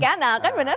gak enak kan bener